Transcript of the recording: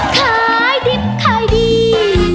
ขายดิบขายดี